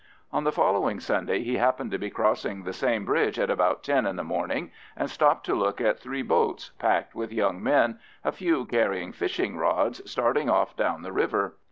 On the following Sunday he happened to be crossing the same bridge at about ten in the morning, and stopped to look at three boats, packed with young men, a few carrying fishing rods, starting off down the river.